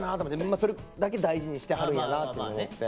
まあそれだけ大事にしてはるんやなって思って。